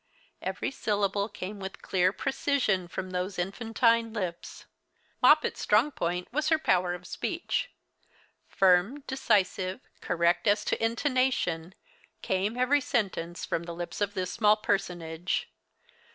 Every syllable came with clear precision from those infantine lips. Moppet's strong point was her power of speech. Firm, decisive, correct as to intonation came every sentence from the lips of this small personage.